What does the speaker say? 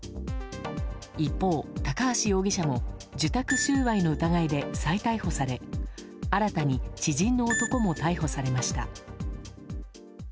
一方、高橋容疑者も受託収賄の疑いで再逮捕され新たに知人の男も逮捕されました。